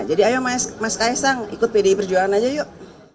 jadi ayo mas kaisang ikut pdi perjuangan aja yuk